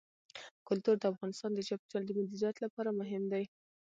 کلتور د افغانستان د چاپیریال د مدیریت لپاره مهم دي.